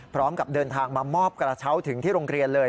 พร้อมกับเดินทางมามอบกระเช้าถึงที่โรงเรียนเลย